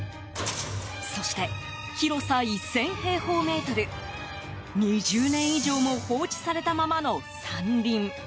そして広さ１０００平方メートル２０年以上も放置されたままの山林。